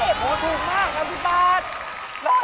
โอ้โหถูกมากครับพี่บาท